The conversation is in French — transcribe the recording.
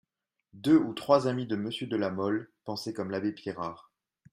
Deux ou trois amis de Monsieur de La Mole pensaient comme l'abbé Pirard.